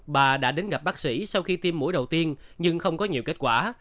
bà đã đến gặp bác sĩ sau khi tiêm mũi đầu tiên nhưng không có nhiều kết quả